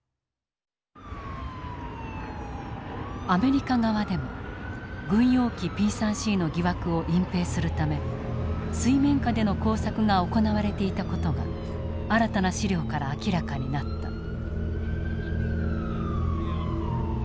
アメリカ側でも軍用機Ｐ３Ｃの疑惑を隠蔽するため水面下での工作が行われていた事が新たな資料から明らかになった。